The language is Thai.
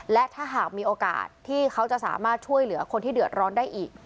และถ้าหากมีโอกาสที่เขาจะสามารถช่วยเหลือคนที่เดือดร้อนได้อีก